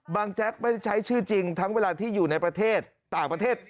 แจ๊กไม่ได้ใช้ชื่อจริงทั้งเวลาที่อยู่ในประเทศต่างประเทศ